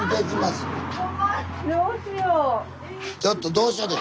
ちょっとどうしよて。